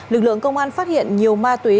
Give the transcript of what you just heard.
lực lượng công an phát hiện nhiều ma túy